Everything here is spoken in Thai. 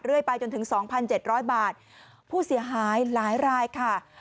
เรื่อยไปจนถึงสองพันเจ็ดร้อยบาทผู้เสียหายหลายลายค่ะ